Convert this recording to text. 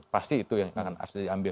pasti itu yang akan diambil